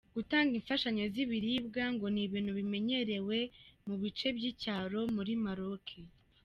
Gutanga imfashanyo z’ibiribwa ngo ni ibintu bimenyerewe mu bice by’icyaro muri Maroc.